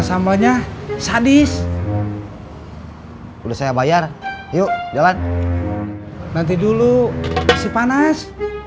sambalnya sadis udah saya bayar yuk jalan nanti dulu si panas